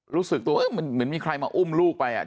รู้สึกตัวเหมือนมีใครมาอุ้มลูกไปอ่ะ